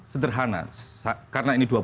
sederhana karena ini